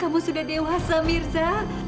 kamu sudah dewasa mirza